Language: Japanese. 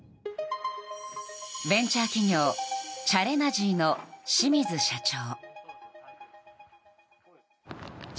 ベンチャー企業チャレナジーの清水社長。